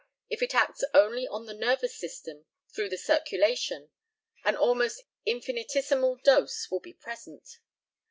If it acts only on the nervous system through the circulation, an almost infinitesimal dose will be present.